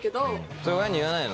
それ親に言わないの？